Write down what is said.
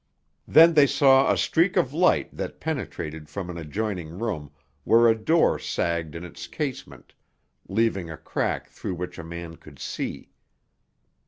Then they saw a streak of light that penetrated from an adjoining room, where a door sagged in its casement, leaving a crack through which a man could see.